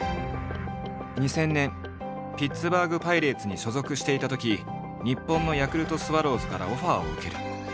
２０００年ピッツバーグ・パイレーツに所属していたとき日本のヤクルトスワローズからオファーを受ける。